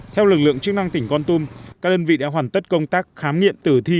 theo lực lượng chức năng tỉnh con tum các đơn vị đã hoàn tất công tác khám nghiệm tử thi